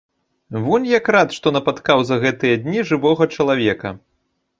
Вунь як рад, што напаткаў за гэтыя дні жывога чалавека.